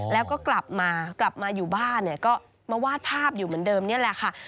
แล้วก็กลับมาอยู่บ้านมาวาดภาพอยู่เหมือนเดิมนี่แหละค่ะ